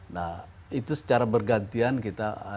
nah itu secara bergantian kita